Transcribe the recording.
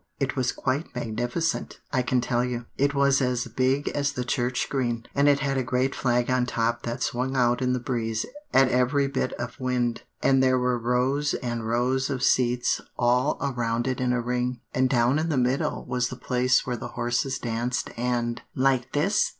it was quite magnificent, I can tell you. It was as big as the church green, and it had a great flag on top that swung out in the breeze at every bit of wind, and there were rows and rows of seats all around it in a ring, and down in the middle was the place where the horses danced, and" "Like this?"